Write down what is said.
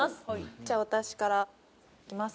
じゃあ私からいきます。